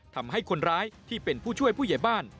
ทำให้คนร้ายที่เป็นผู้ช่วยผู้ใหญ่บ้าน